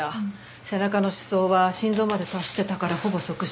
背中の刺創は心臓まで達してたからほぼ即死。